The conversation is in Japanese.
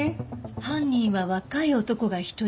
犯人は若い男が１人。